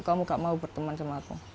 kamu gak mau berteman sama aku